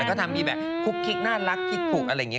แล้วก็ทำมีแบบคุกน่ารักคุกอะไรอย่างนี้